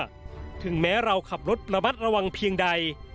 ที่เกิดขึ้นได้ทุกเมื่อถึงแม้เราขับรถประมัติระวังเพียงใด